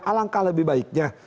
alangkah lebih baiknya